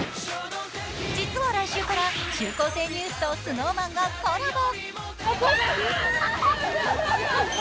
実は来週から「中高生ニュース」とＳｎｏｗＭａｎがコラボ。